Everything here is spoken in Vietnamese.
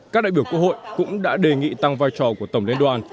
các đại biểu quốc hội cũng đã đề nghị tăng vai trò của tổng liên đoàn